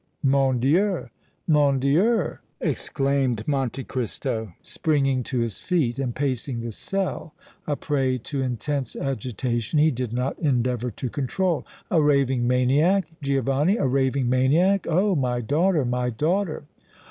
"Mon Dieu! Mon Dieu!" exclaimed Monte Cristo, springing to his feet and pacing the cell, a prey to intense agitation he did not endeavour to control. "A raving maniac! Giovanni a raving maniac! Oh! my daughter, my daughter!"